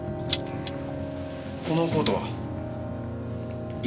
このコートは？いや。